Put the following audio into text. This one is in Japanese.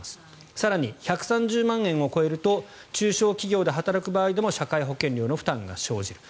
更に、１３０万円を超えると中小企業で働く場合でも社会保険料の負担が生じると。